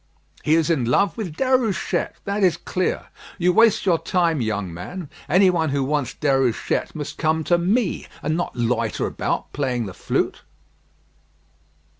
He is in love with Déruchette, that is clear. You waste your time, young man. Any one who wants Déruchette must come to me, and not loiter about playing the flute."